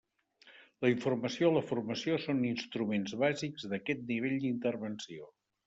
La informació i la formació són instruments bàsics d'aquest nivell d'intervenció.